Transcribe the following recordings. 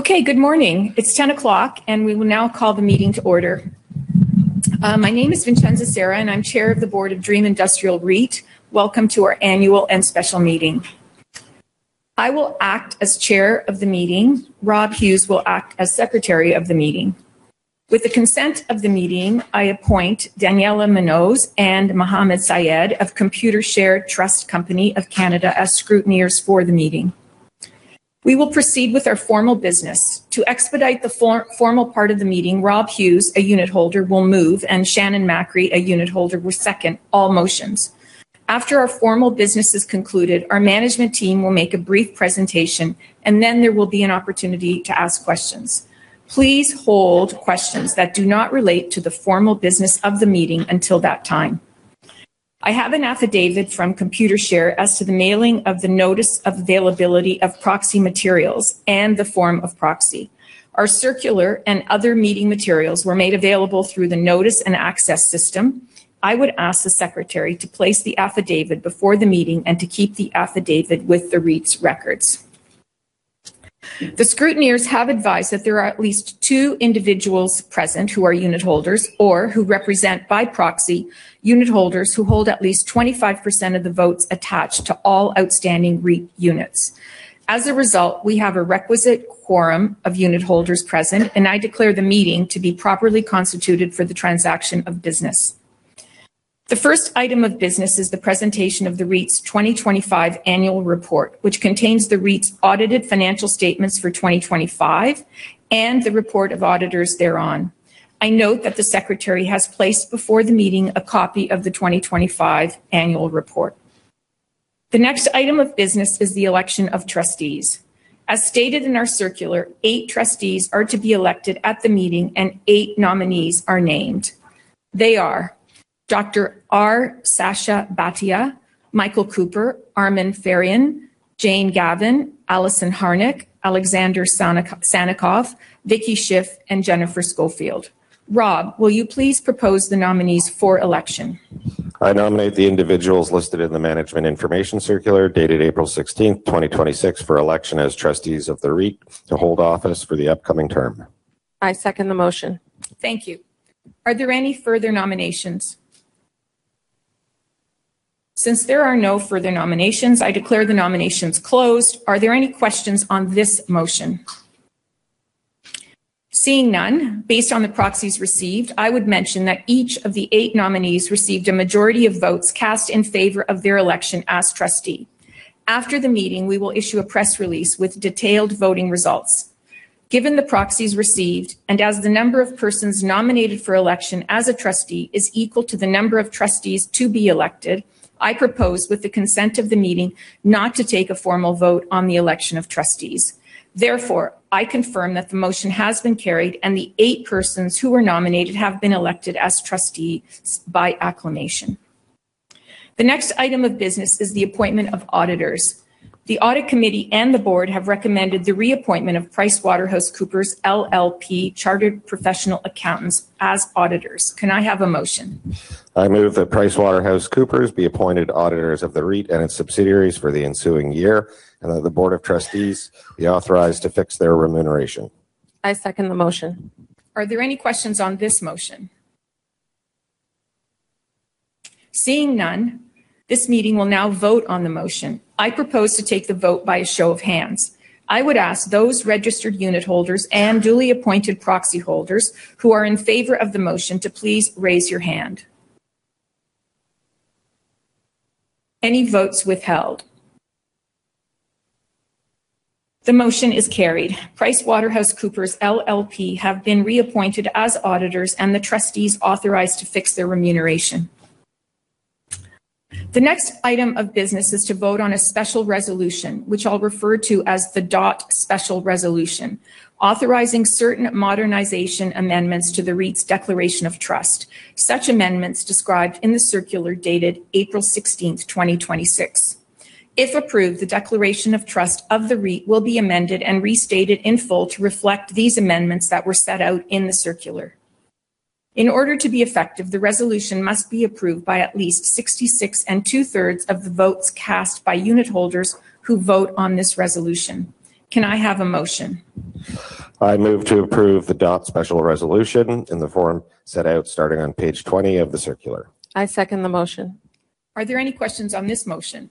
Okay, good morning. It's 10:00, and we will now call the meeting to order. My name is Vincenza Sera, and I'm Chair of the Board of Dream Industrial REIT. Welcome to our annual and special meeting. I will act as Chair of the Meeting. Rob Hughes will act as Secretary of the meeting. With the consent of the Meeting, I appoint Daniela Munoz and Mohamed Syed of Computershare Trust Company of Canada as scrutineers for the meeting. We will proceed with our formal business. To expedite the formal part of the meeting, Rob Hughes, a unitholder, will move, and Shannon Macri, a unitholder, will second all motions. After our formal business is concluded, our management team will make a brief presentation, and then there will be an opportunity to ask questions. Please hold questions that do not relate to the formal business of the meeting until that time. I have an affidavit from Computershare as to the mailing of the notice of availability of proxy materials and the form of proxy. Our circular and other meeting materials were made available through the notice and access system. I would ask the secretary to place the affidavit before the meeting and to keep the affidavit with the REIT's records. The scrutineers have advised that there are at least two individuals present who are unitholders or who represent by proxy unitholders who hold at least 25% of the votes attached to all outstanding REIT units. We have a requisite quorum of unitholders present, and I declare the meeting to be properly constituted for the transaction of business. The first item of business is the presentation of the REIT's 2025 Annual Report, which contains the REIT's audited financial statements for 2025 and the report of auditors thereon. I note that the Secretary has placed before the meeting a copy of the 2025 Annual Report. The next item of business is the election of Trustees. As stated in our circular, eight Trustees are to be elected at the meeting, and eight nominees are named. They are Dr. R. Sacha Bhatia, Michael Cooper, Armen Farian, Jane Gavan, Alison Harnick, Alexander Sannikov, Vicky Schiff, and Jennifer Scoffield. Rob, will you please propose the nominees for election? I nominate the individuals listed in the management information circular dated April 16th, 2026, for election as Trustees of the REIT to hold office for the upcoming term. I second the motion. Thank you. Are there any further nominations? Since there are no further nominations, I declare the nominations closed. Are there any questions on this motion? Seeing none, based on the proxies received, I would mention that each of the eight nominees received a majority of votes cast in favor of their election as Trustee. After the meeting, we will issue a press release with detailed voting results. Given the proxies received and as the number of persons nominated for election as a Trustee is equal to the number of Trustees to be elected, I propose with the consent of the meeting not to take a formal vote on the election of Trustees. Therefore, I confirm that the motion has been carried and the eight persons who were nominated have been elected as Trustees by acclamation. The next item of business is the appointment of auditors. The Audit Committee and the Board have recommended the reappointment of PricewaterhouseCoopers LLP, chartered professional accountants as auditors. Can I have a motion? I move that PricewaterhouseCoopers be appointed auditors of the REIT and its subsidiaries for the ensuing year and that the Board of Trustees be authorized to fix their remuneration. I second the motion. Are there any questions on this motion? Seeing none, this meeting will now vote on the motion. I propose to take the vote by a show of hands. I would ask those registered unitholders and duly appointed proxy holders who are in favor of the motion to please raise your hand. Any votes withheld? The motion is carried. PricewaterhouseCoopers LLP have been reappointed as auditors and the trustees authorized to fix their remuneration. The next item of business is to vote on a special resolution, which I'll refer to as the DOT Special Resolution, authorizing certain modernization amendments to the REIT's declaration of trust, such amendments described in the circular dated April 16th, 2026. If approved, the declaration of trust of the REIT will be amended and restated in full to reflect these amendments that were set out in the circular. In order to be effective, the resolution must be approved by at least 66 and two-thirds of the votes cast by unitholders who vote on this resolution. Can I have a motion? I move to approve the DOT Special Resolution in the form set out starting on page 20 of the circular. I second the motion. Are there any questions on this motion?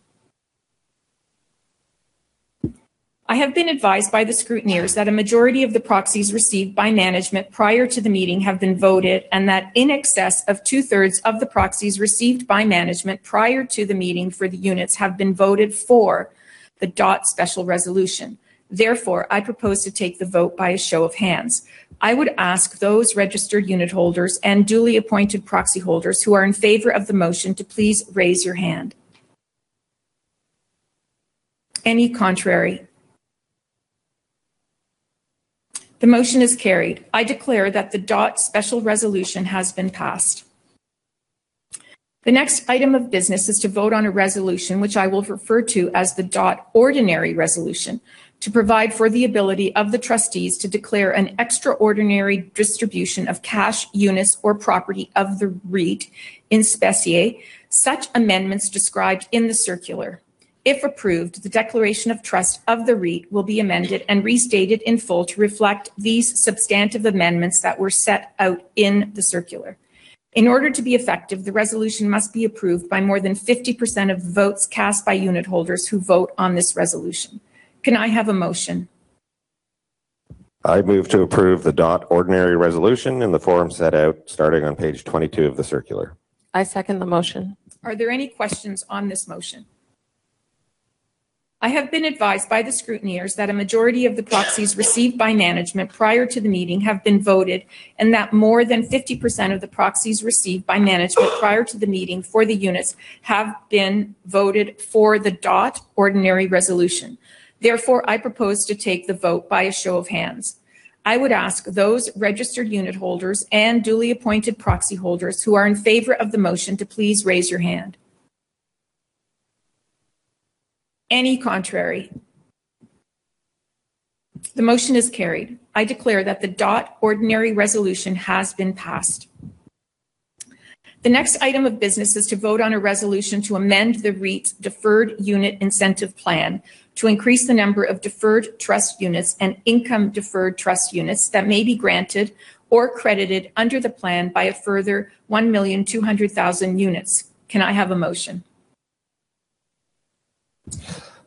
I have been advised by the scrutineers that a majority of the proxies received by management prior to the meeting have been voted and that in excess of two-thirds of the proxies received by management prior to the meeting for the units have been voted for the DOT Special Resolution. I propose to take the vote by a show of hands. I would ask those registered unitholders and duly appointed proxy holders who are in favor of the motion to please raise your hand. Any contrary? The motion is carried. I declare that the DOT Special Resolution has been passed. The next item of business is to vote on a resolution, which I will refer to as the DOT Ordinary Resolution, to provide for the ability of the Trustees to declare an extraordinary distribution of cash, units, or property of the REIT in specie, such amendments described in the circular. If approved, the declaration of trust of the REIT will be amended and restated in full to reflect these substantive amendments that were set out in the circular. In order to be effective, the resolution must be approved by more than 50% of votes cast by unitholders who vote on this resolution. Can I have a motion? I move to approve the DOT Ordinary Resolution in the form set out starting on page 22 of the circular. I second the motion. Are there any questions on this motion? I have been advised by the scrutineers that a majority of the proxies received by management prior to the meeting have been voted, and that more than 50% of the proxies received by management prior to the meeting for the units have been voted for the DOT Ordinary Resolution. I propose to take the vote by a show of hands. I would ask those registered unitholders and duly appointed proxy holders who are in favor of the motion to please raise your hand. Any contrary? The motion is carried. I declare that the DOT Ordinary Resolution has been passed. The next item of business is to vote on a resolution to amend the REIT Deferred Unit Incentive Plan to increase the number of deferred trust units and income deferred trust units that may be granted or credited under the plan by a further 1,200,000 units. Can I have a motion?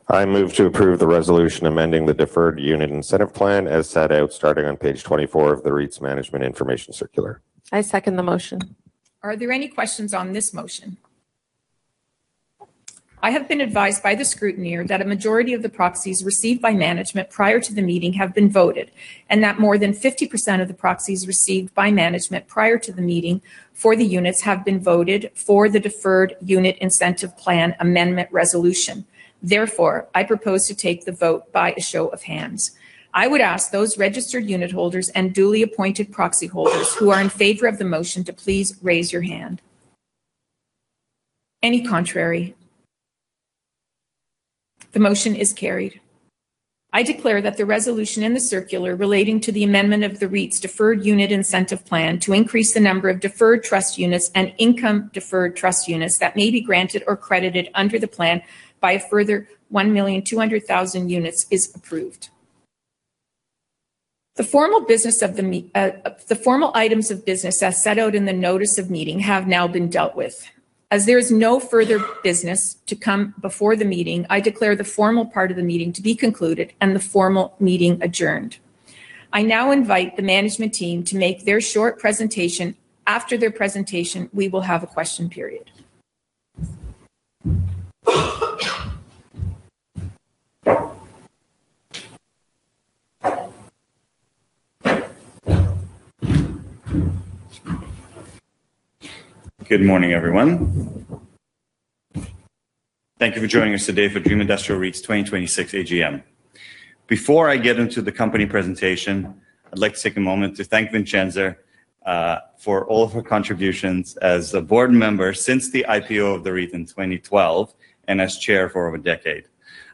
I move to approve the resolution amending the Deferred Unit Incentive Plan as set out starting on page 24 of the REIT's Management Information Circular. I second the motion. Are there any questions on this motion? I have been advised by the scrutineer that a majority of the proxies received by management prior to the meeting have been voted, and that more than 50% of the proxies received by management prior to the meeting for the units have been voted for the Deferred Unit Incentive Plan amendment resolution. Therefore, I propose to take the vote by a show of hands. I would ask those registered unitholders and duly appointed proxy holders who are in favor of the motion to please raise your hand. Any contrary. The motion is carried. I declare that the resolution in the circular relating to the amendment of the REIT's Deferred Unit Incentive Plan to increase the number of deferred trust units and income deferred trust units that may be granted or credited under the plan by a further 1,200,000 units is approved. The formal items of business as set out in the notice of meeting have now been dealt with. As there is no further business to come before the meeting, I declare the formal part of the meeting to be concluded and the formal meeting adjourned. I now invite the management team to make their short presentation. After their presentation, we will have a question period. Good morning, everyone. Thank you for joining us today for Dream Industrial REIT's 2026 AGM. Before I get into the company presentation, I'd like to take a moment to thank Vincenza for all of her contributions as a Board Member since the IPO of the REIT in 2012, and as Chair for over a decade.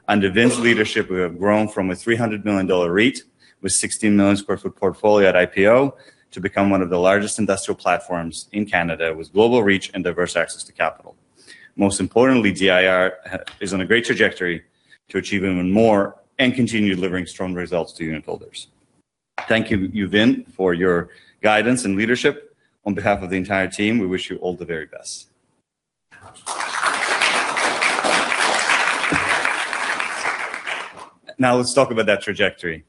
Under Vin's leadership, we have grown from a 300 million dollar REIT with 16 million sq ft portfolio at IPO to become one of the largest industrial platforms in Canada, with global reach and diverse access to capital. Most importantly, DIR is on a great trajectory to achieve even more and continue delivering strong results to unitholders. Thank you, Vin, for your guidance and leadership. On behalf of the entire team, we wish you all the very best. Now, let's talk about that trajectory,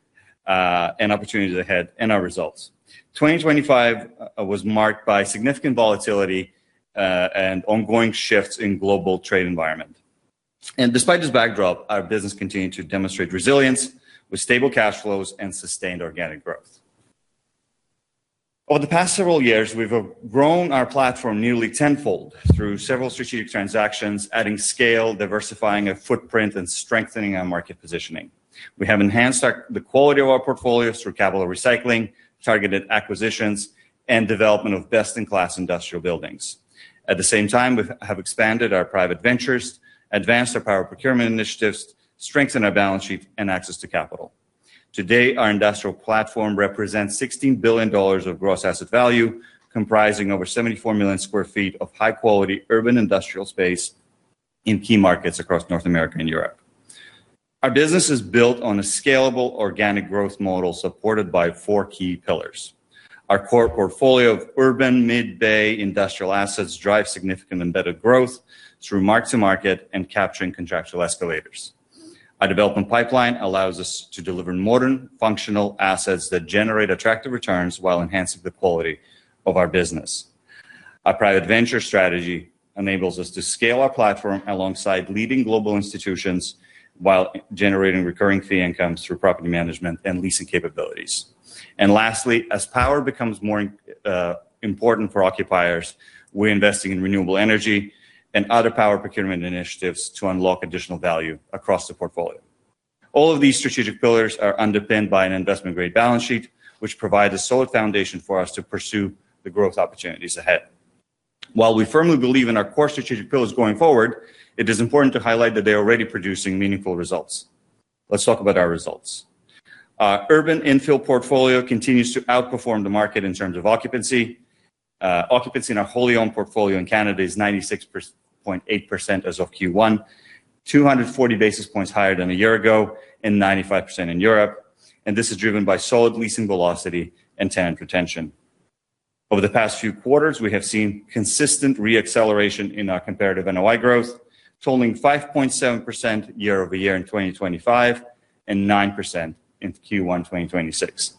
and opportunities ahead, and our results. 2025 was marked by significant volatility, ongoing shifts in global trade environment. Despite this backdrop, our business continued to demonstrate resilience with stable cash flows and sustained organic growth. Over the past several years, we've grown our platform nearly 10-fold through several strategic transactions, adding scale, diversifying our footprint, and strengthening our market positioning. We have enhanced the quality of our portfolios through capital recycling, targeted acquisitions, and development of best-in-class industrial buildings. At the same time, we have expanded our private ventures, advanced our power procurement initiatives, strengthened our balance sheet, and access to capital. Today, our industrial platform represents 16 billion dollars of gross asset value, comprising over 74 million sq ft of high-quality urban industrial space in key markets across North America and Europe. Our business is built on a scalable organic growth model supported by four key pillars. Our core portfolio of urban mid-bay industrial assets drive significant embedded growth through mark-to-market and capturing contractual escalators. Our development pipeline allows us to deliver modern, functional assets that generate attractive returns while enhancing the quality of our business. Our private venture strategy enables us to scale our platform alongside leading global institutions while generating recurring fee incomes through property management and leasing capabilities. Lastly, as power becomes more important for occupiers, we're investing in renewable energy and other power procurement initiatives to unlock additional value across the portfolio. All of these strategic pillars are underpinned by an investment-grade balance sheet, which provides a solid foundation for us to pursue the growth opportunities ahead. While we firmly believe in our core strategic pillars going forward, it is important to highlight that they're already producing meaningful results. Let's talk about our results. Our urban infill portfolio continues to outperform the market in terms of occupancy. Occupancy in our wholly owned portfolio in Canada is 96.8% as of Q1, 240 basis points higher than a year ago, and 95% in Europe. This is driven by solid leasing velocity and tenant retention. Over the past few quarters, we have seen consistent re-acceleration in our comparative NOI growth, totaling 5.7% year-over-year in 2025 and 9% in Q1 2026.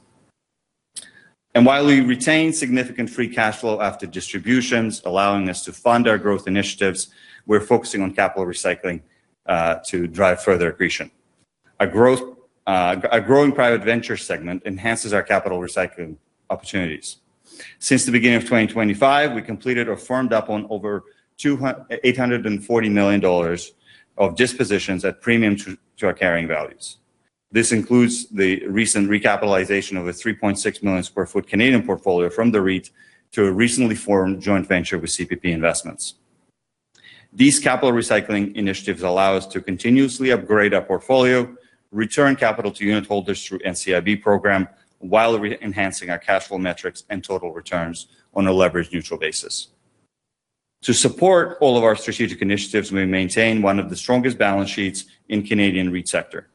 While we retain significant free cash flow after distributions, allowing us to fund our growth initiatives, we're focusing on capital recycling to drive further accretion. A growing private venture segment enhances our capital recycling opportunities. Since the beginning of 2025, we completed or firmed up on over 840 million dollars of dispositions at premium to our carrying values. This includes the recent recapitalization of a 3.6 million sq ft Canadian portfolio from the REIT to a recently formed joint venture with CPP Investments. These capital recycling initiatives allow us to continuously upgrade our portfolio, return capital to unitholders through NCIB program, while re-enhancing our cash flow metrics and total returns on a leverage-neutral basis. To support all of our strategic initiatives, we maintain one of the strongest balance sheets in Canadian REIT sector.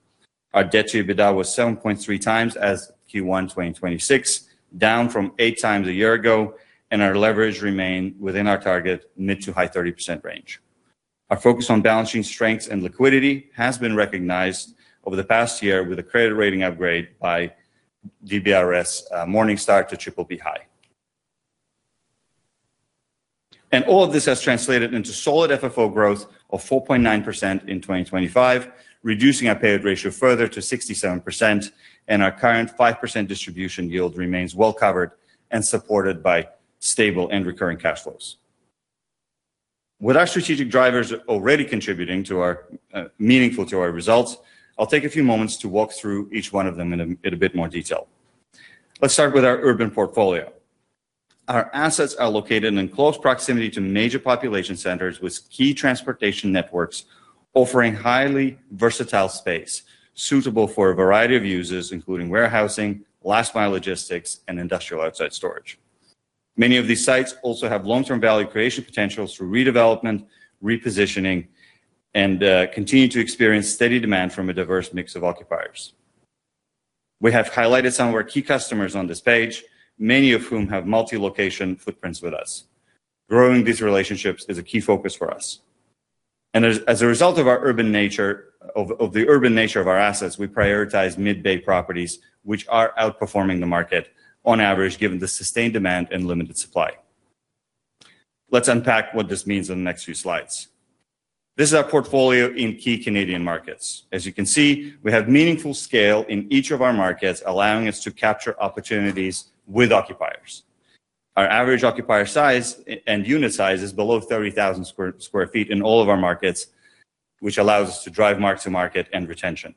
Our debt-to-EBITDA was 7.3x as of Q1 2026, down from 8x a year ago, and our leverage remained within our target mid to high 30% range. Our focus on balancing strengths and liquidity has been recognized over the past year with a credit rating upgrade by DBRS Morningstar to BBB (high). All of this has translated into solid FFO growth of 4.9% in 2025, reducing our payout ratio further to 67%, and our current 5% distribution yield remains well-covered and supported by stable and recurring cash flows. With our strategic drivers already contributing meaningful to our results, I'll take a few moments to walk through each one of them in a bit more detail. Let's start with our urban portfolio. Our assets are located in close proximity to major population centers with key transportation networks offering highly versatile space suitable for a variety of uses, including warehousing, last-mile logistics, and industrial outside storage. Many of these sites also have long-term value creation potentials for redevelopment, repositioning, and continue to experience steady demand from a diverse mix of occupiers. We have highlighted some of our key customers on this page, many of whom have multi-location footprints with us. Growing these relationships is a key focus for us. As a result of the urban nature of our assets, we prioritize mid-bay properties, which are outperforming the market on average, given the sustained demand and limited supply. Let's unpack what this means in the next few slides. This is our portfolio in key Canadian markets. As you can see, we have meaningful scale in each of our markets, allowing us to capture opportunities with occupiers. Our average occupier size and unit size is below 30,000 sq ft in all of our markets, which allows us to drive mark-to-market and retention.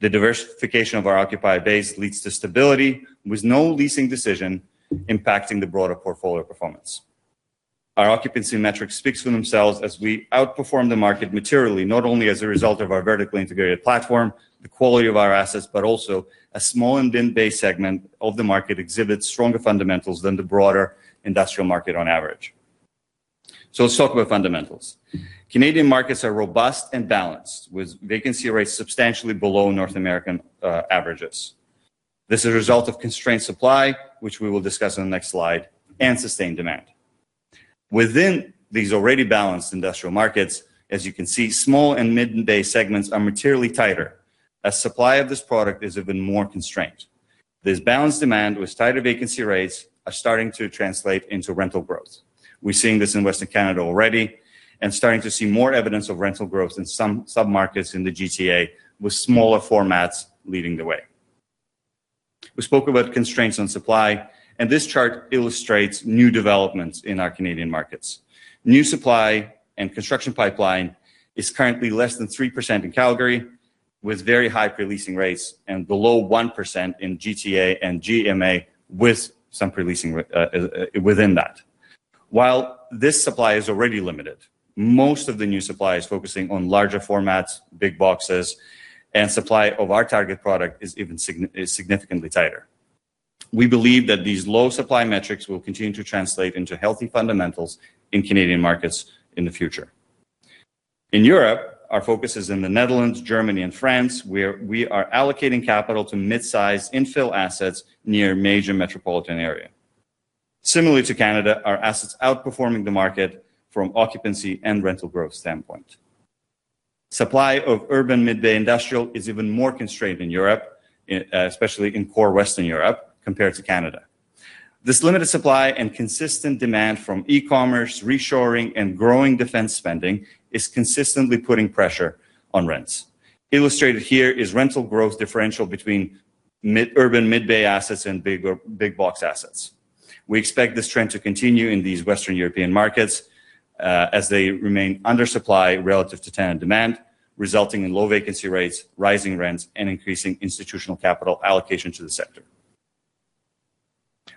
The diversification of our occupied base leads to stability, with no leasing decision impacting the broader portfolio performance. Our occupancy metrics speaks for themselves as we outperform the market materially, not only as a result of our vertically integrated platform, the quality of our assets, but also a small and big bay segment of the market exhibits stronger fundamentals than the broader industrial market on average. Let's talk about fundamentals. Canadian markets are robust and balanced, with vacancy rates substantially below North American averages. This is a result of constrained supply, which we will discuss on the next slide, and sustained demand. Within these already balanced industrial markets, as you can see, small and mid-bay segments are materially tighter as supply of this product is even more constrained. This balanced demand with tighter vacancy rates are starting to translate into rental growth. We're seeing this in Western Canada already and starting to see more evidence of rental growth in some sub-markets in the GTA, with smaller formats leading the way. We spoke about constraints on supply, and this chart illustrates new developments in our Canadian markets. New supply and construction pipeline is currently less than 3% in Calgary, with very high pre-leasing rates and below 1% in GTA and GMA with some pre-leasing within that. While this supply is already limited, most of the new supply is focusing on larger formats, big boxes, and supply of our target product is significantly tighter. We believe that these low supply metrics will continue to translate into healthy fundamentals in Canadian markets in the future. In Europe, our focus is in the Netherlands, Germany, and France, where we are allocating capital to mid-size infill assets near a major metropolitan area. Similarly to Canada, our assets outperforming the market from occupancy and rental growth standpoint. Supply of urban mid-bay industrial is even more constrained in Europe, especially in core Western Europe, compared to Canada. This limited supply and consistent demand from e-commerce, reshoring, and growing defense spending is consistently putting pressure on rents. Illustrated here is rental growth differential between urban mid-bay assets and big box assets. We expect this trend to continue in these Western European markets as they remain undersupply relative to tenant demand, resulting in low vacancy rates, rising rents, and increasing institutional capital allocation to the sector.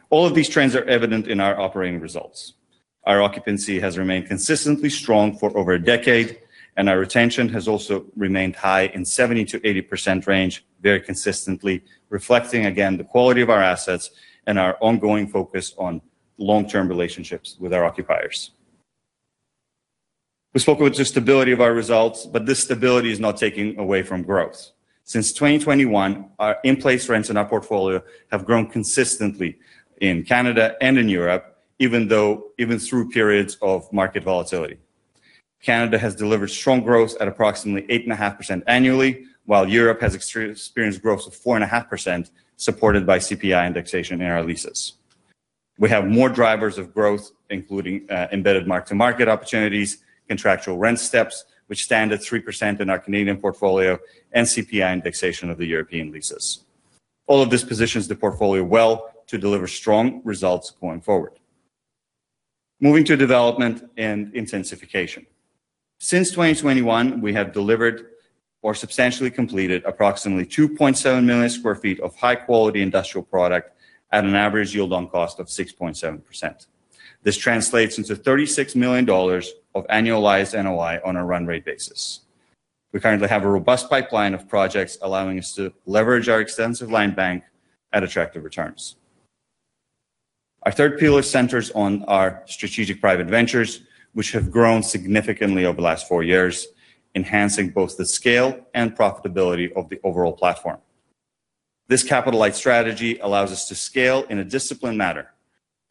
All of these trends are evident in our operating results. Our occupancy has remained consistently strong for over a decade, and our retention has also remained high in 70%-80% range, very consistently, reflecting, again, the quality of our assets and our ongoing focus on long-term relationships with our occupiers. We spoke about the stability of our results. This stability is not taking away from growth. Since 2021, our in-place rents in our portfolio have grown consistently in Canada and in Europe, even through periods of market volatility. Canada has delivered strong growth at approximately 8.5% annually, while Europe has experienced growth of 4.5%, supported by CPI indexation in our leases. We have more drivers of growth, including embedded mark-to-market opportunities, contractual rent steps, which stand at 3% in our Canadian portfolio, and CPI indexation of the European leases. All of this positions the portfolio well to deliver strong results going forward. Moving to development and intensification. Since 2021, we have delivered or substantially completed approximately 2.7 million sq ft of high-quality industrial product at an average yield on cost of 6.7%. This translates into 36 million dollars of annualized NOI on a run-rate basis. We currently have a robust pipeline of projects allowing us to leverage our extensive line bank at attractive returns. Our third pillar centers on our strategic private ventures, which have grown significantly over the last four years, enhancing both the scale and profitability of the overall platform. This capital-light strategy allows us to scale in a disciplined manner,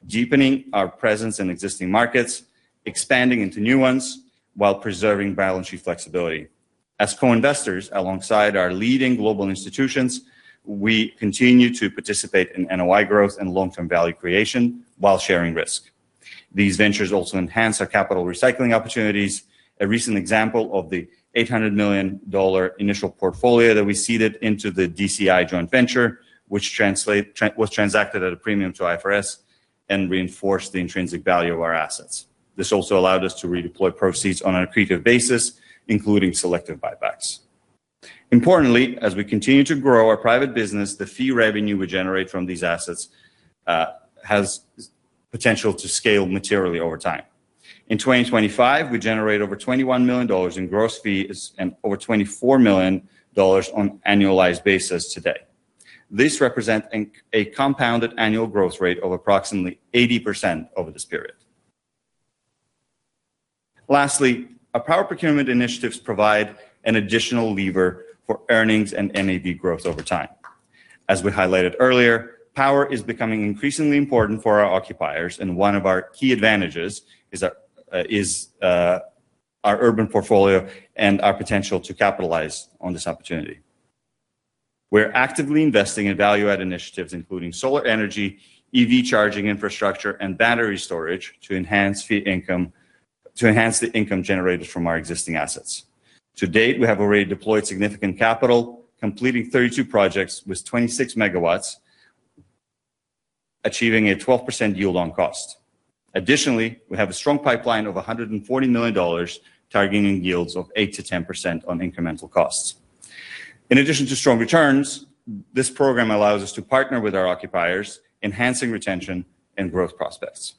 deepening our presence in existing markets, expanding into new ones while preserving balance sheet flexibility. As co-investors alongside our leading global institutions, we continue to participate in NOI growth and long-term value creation while sharing risk. These ventures also enhance our capital recycling opportunities. A recent example of the 800 million dollar initial portfolio that we seeded into the DCI joint venture, which was transacted at a premium to IFRS and reinforced the intrinsic value of our assets. This also allowed us to redeploy proceeds on an accretive basis, including selective buybacks. Importantly, as we continue to grow our private business, the fee revenue we generate from these assets has potential to scale materially over time. In 2025, we generate over 21 million dollars in gross fees and over 24 million dollars on annualized basis today. These represent a compounded annual growth rate of approximately 80% over this period. Lastly, our power procurement initiatives provide an additional lever for earnings and NAV growth over time. As we highlighted earlier, power is becoming increasingly important for our occupiers, and one of our key advantages is our urban portfolio and our potential to capitalize on this opportunity. We're actively investing in value-add initiatives including solar energy, EV charging infrastructure, and battery storage to enhance the income generated from our existing assets. To date, we have already deployed significant capital, completing 32 projects with 26 MW, achieving a 12% yield on cost. Additionally, we have a strong pipeline of 140 million dollars targeting yields of 8%-10% on incremental costs. In addition to strong returns, this program allows us to partner with our occupiers, enhancing retention and growth prospects.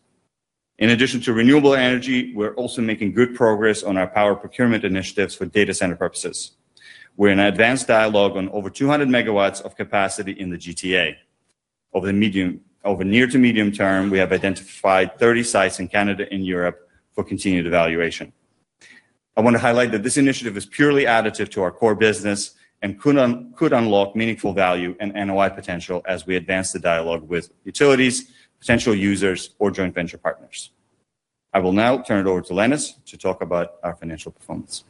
In addition to renewable energy, we're also making good progress on our power procurement initiatives for data center purposes. We're in advanced dialogue on over 200 MW of capacity in the GTA. Over near to medium term, we have identified 30 sites in Canada and Europe for continued evaluation. I want to highlight that this initiative is purely additive to our core business and could unlock meaningful value and NOI potential as we advance the dialogue with utilities, potential users or joint venture partners. I will now turn it over to Lenis to talk about our financial performance.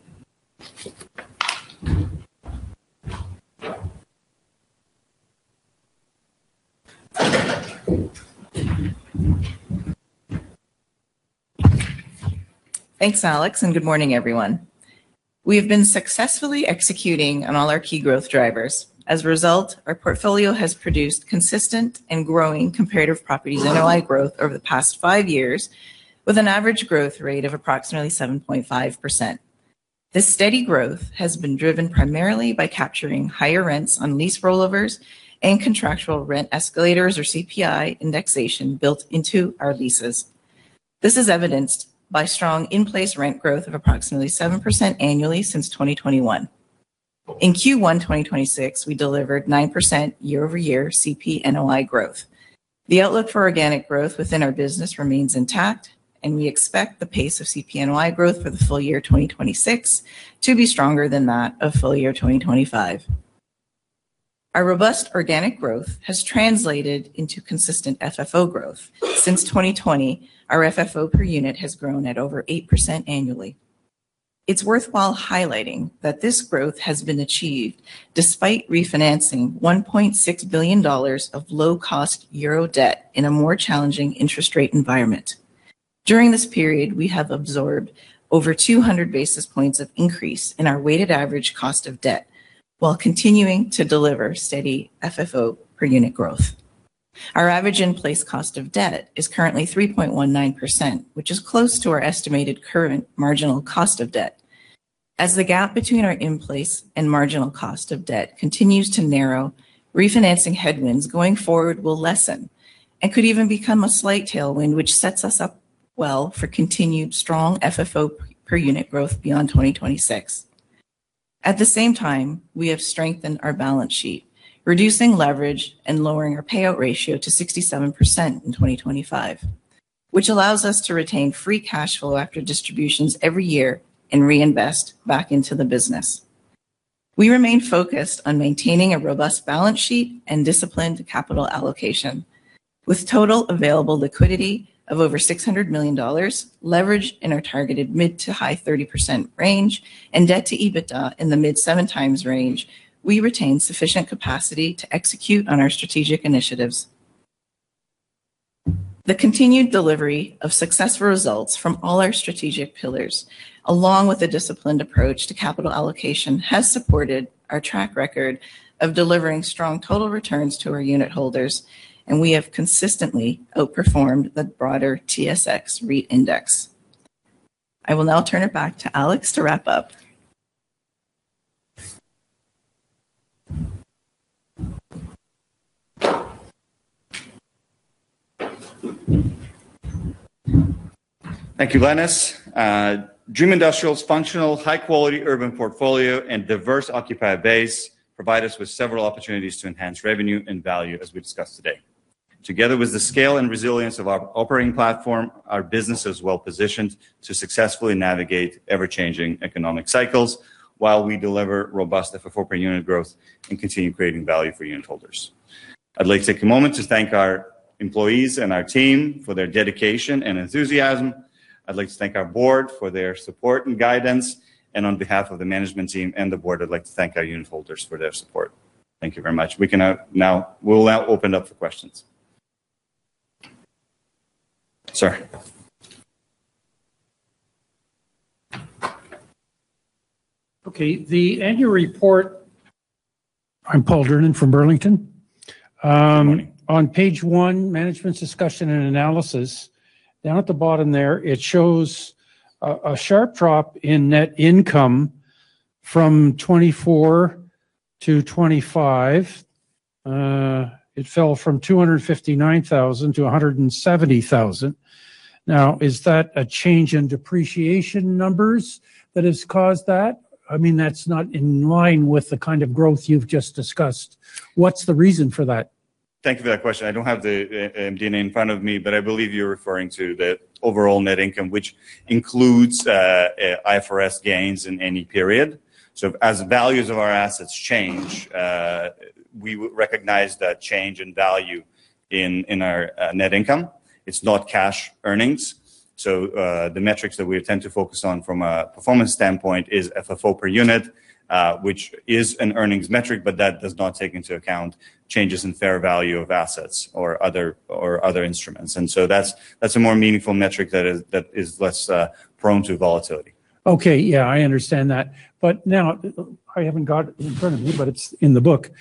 Thanks, Alex. Good morning, everyone. We have been successfully executing on all our key growth drivers. As a result, our portfolio has produced consistent and growing comparative properties NOI growth over the past five years, with an average growth rate of approximately 7.5%. This steady growth has been driven primarily by capturing higher rents on lease rollovers and contractual rent escalators or CPI indexation built into our leases. This is evidenced by strong in-place rent growth of approximately 7% annually since 2021. In Q1 2026, we delivered 9% year-over-year CPNOI growth. The outlook for organic growth within our business remains intact, and we expect the pace of CPNOI growth for the full year 2026 to be stronger than that of full year 2025. Our robust organic growth has translated into consistent FFO growth. Since 2020, our FFO per unit has grown at over 8% annually. It's worthwhile highlighting that this growth has been achieved despite refinancing 1.6 billion dollars of low-cost euro debt in a more challenging interest rate environment. During this period, we have absorbed over 200 basis points of increase in our weighted average cost of debt while continuing to deliver steady FFO per unit growth. Our average in-place cost of debt is currently 3.19%, which is close to our estimated current marginal cost of debt. As the gap between our in-place and marginal cost of debt continues to narrow, refinancing headwinds going forward will lessen and could even become a slight tailwind, which sets us up well for continued strong FFO per unit growth beyond 2026. At the same time, we have strengthened our balance sheet, reducing leverage and lowering our payout ratio to 67% in 2025, which allows us to retain free cash flow after distributions every year and reinvest back into the business. We remain focused on maintaining a robust balance sheet and disciplined capital allocation. With total available liquidity of over 600 million dollars, leverage in our targeted mid to high 30% range and debt to EBITDA in the mid seven times range, we retain sufficient capacity to execute on our strategic initiatives. The continued delivery of successful results from all our strategic pillars, along with a disciplined approach to capital allocation, has supported our track record of delivering strong total returns to our unitholders. We have consistently outperformed the broader TSX REIT Index. I will now turn it back to Alex to wrap up. Thank you, Lenis. Dream Industrial's functional high-quality urban portfolio and diverse occupied base provide us with several opportunities to enhance revenue and value, as we discussed today. Together with the scale and resilience of our operating platform, our business is well-positioned to successfully navigate ever-changing economic cycles while we deliver robust FFO per unit growth and continue creating value for unitholders. I'd like to take a moment to thank our employees and our team for their dedication and enthusiasm. I'd like to thank our Board for their support and guidance, and on behalf of the management team and the Board, I'd like to thank our unitholders for their support. Thank you very much. We'll now open up for questions. Sir. Okay. The annual report. I'm Paul Durnin from Burlington. Good morning. On page 1, Management's Discussion and Analysis, down at the bottom there, it shows a sharp drop in net income from 2024 to 2025. It fell from 259,000 to 170,000. Is that a change in depreciation numbers that has caused that? That's not in line with the kind of growth you've just discussed. What's the reason for that? Thank you for that question. I don't have the MD&A in front of me, but I believe you're referring to the overall net income, which includes IFRS gains in any period. As values of our assets change, we would recognize that change in value in our net income. It's not cash earnings. The metrics that we tend to focus on from a performance standpoint is FFO per unit, which is an earnings metric, but that does not take into account changes in fair value of assets or other instruments. That's a more meaningful metric that is less prone to volatility. Okay. Yeah, I understand that. Now, I haven't got it in front of me, but it's in the book.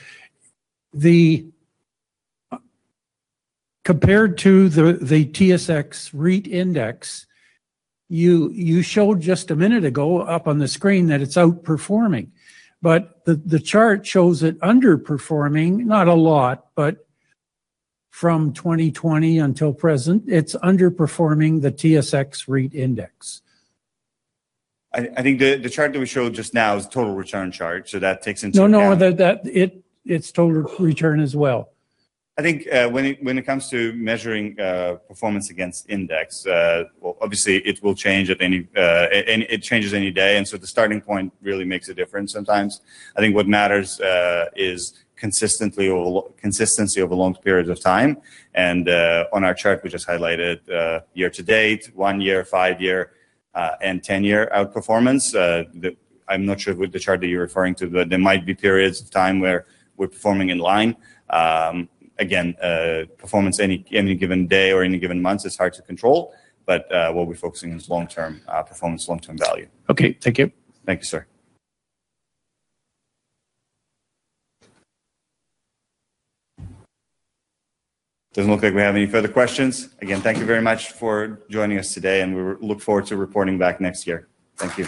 Compared to the TSX REIT Index, you showed just a minute ago up on the screen that it's outperforming. The chart shows it underperforming, not a lot, but from 2020 until present, it's underperforming the TSX REIT Index. I think the chart that we showed just now is the total return chart, so that takes into account. No, that it's total return as well. I think when it comes to measuring performance against index, obviously it changes any day, and so the starting point really makes a difference sometimes. I think what matters is consistency over long periods of time. On our chart, we just highlighted year-to-date, one-year, five-year, and 10-year outperformance. I'm not sure with the chart that you're referring to, but there might be periods of time where we're performing in line. Again, performance any given day or any given month is hard to control, but what we're focusing is long-term performance, long-term value. Okay. Thank you. Thank you, sir. Doesn't look like we have any further questions. Again, thank you very much for joining us today, and we look forward to reporting back next year. Thank you.